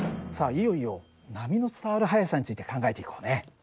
いよいよ波の伝わる速さについて考えていこうね。